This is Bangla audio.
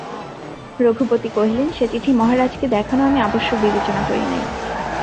রঘুপতি কহিলেন, সে চিঠি মহারাজকে দেখানো আমি আবশ্যক বিবেচনা করি নাই।